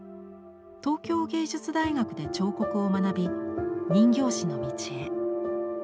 東京藝術大学で彫刻を学び人形師の道へ。